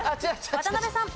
渡辺さん。